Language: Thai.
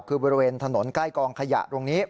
คือบริเวณถนนใกล้กองขยะตรงนี้